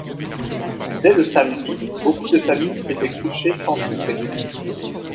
Dès le samedi, beaucoup de familles s'étaient couchées sans souper.